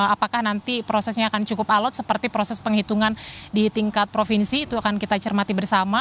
apakah nanti prosesnya akan cukup alot seperti proses penghitungan di tingkat provinsi itu akan kita cermati bersama